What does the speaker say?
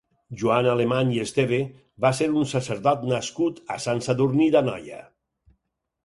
Joan Alemany i Esteve va ser un sacerdot nascut a Sant Sadurní d'Anoia.